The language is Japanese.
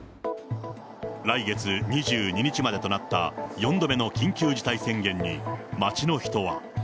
来月２２日までとなった４度目の緊急事態宣言に、街の人は。